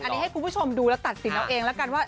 อันนี้ให้คุณผู้ชมดูแล้วตัดสินเอาเองแล้วกันว่า